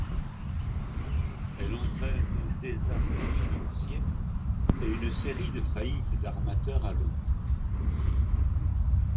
Elle entraîne un désastre financier et une série de faillites d'armateurs à Londres.